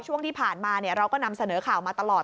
ช่วงที่ผ่านมาเราก็นำเสนอข่าวมาตลอด